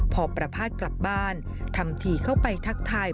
พอประพาทกลับบ้านทำทีเข้าไปทักทาย